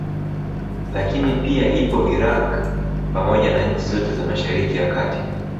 Lakini pia ipo Iraq pamoja na nchi zote za Mashariki ya kati